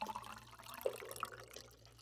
د سرپرست لخوا مو پوښتنې ځواب شوې.